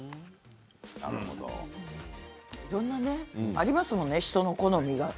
いろんなねありますよね、人の好みが。